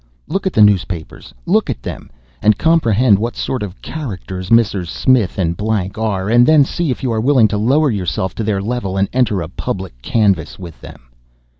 Look at the newspapers look at them and comprehend what sort of characters Messrs. Smith and Blank are, and then see if you are willing to lower yourself to their level and enter a public canvass with them.